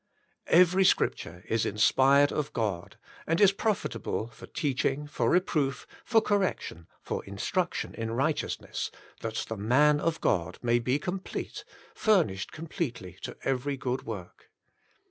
" Every scripture is inspired of God, and is profitable for teaching, for reproof, for correction, for instruc tion in righteousness, that the Man of God May BE Complete, furnished completely to every good work."